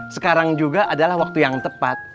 sekarang juga adalah waktu yang tepat